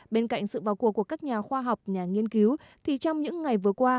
bên cạnh sự vào cuộc của các nhà khoa học nhà nghiên cứu thì trong những ngày vừa qua